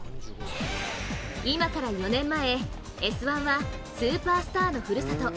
今から４年前、「Ｓ☆１」はスーパースターのふるさと